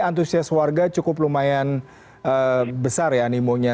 antusias warga cukup lumayan besar ya animonya